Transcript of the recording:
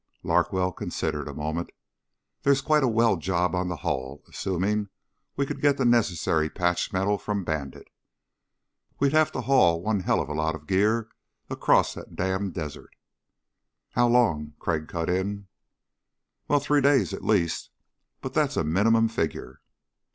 Larkwell considered a moment. "There's quite a weld job on the hull, assuming we could get the necessary patch metal from Bandit. We'd have to haul one helluva lot of gear across that damned desert " "How long?" Crag cut in. "Well, three days, at least. But that's a minimum figure."